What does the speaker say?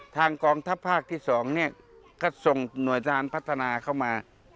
กองทัพภาคที่๒เนี่ยก็ส่งหน่วยงานพัฒนาเข้ามา